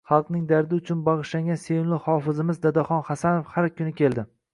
xalqning dardi uchun bag’ishlagan sevimli hofizimiz Dadaxon Xasanov har kuni keldi.